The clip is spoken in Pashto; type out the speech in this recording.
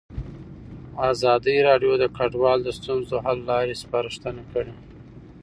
ازادي راډیو د کډوال د ستونزو حل لارې سپارښتنې کړي.